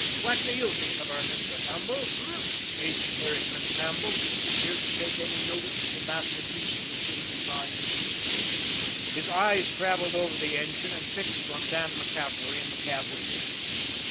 What do you think of her, Mr. Campbell h'm?" H. Herrington Campbell didn't appear to take any notice of the masterpiece of machine design to speak of. His eyes travelled over the engine, and fixed on Dan MacCaffery in the cab window.